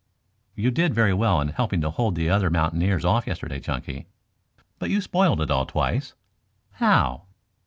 "You did very well in helping to hold the other mountaineers off yesterday, Chunky. But you spoiled it all twice." "How?"